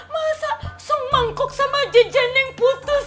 masa se mangkok sama jejen yang putus